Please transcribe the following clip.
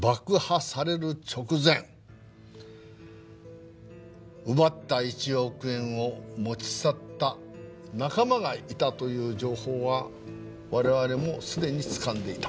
直前奪った１億円を持ち去った仲間がいたという情報は我々もすでに掴んでいた。